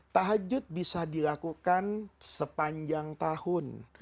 tahajud bisa dilakukan sepanjang tahun